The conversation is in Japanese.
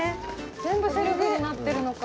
全部セルフになってるのか。